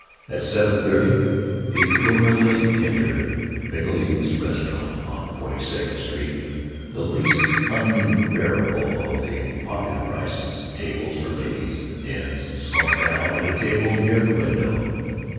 At seven thirty he gloomily entered Miggleton's Restaurant, on Forty second Street, the least unbearable of the "Popular Prices—Tables for Ladies" dens, and slumped down at a table near the window.